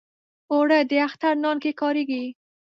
اوړه د اختر نان کې کارېږي